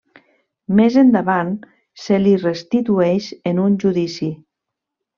Més endavant se li restitueix en un judici.